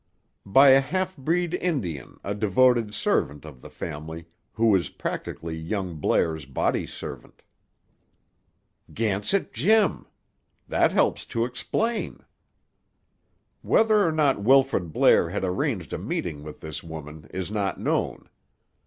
"By a half breed Indian, a devoted servant of the family, who was practically young Blair's body servant." "Gansett Jim! That helps to explain." "Whether or not Wilfrid Blair had arranged a meeting with this woman is not known.